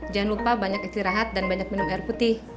jangan lupa banyak istirahat dan banyak minum air putih